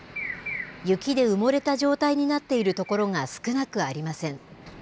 雪で埋もれた状態になっているところが少なくありません。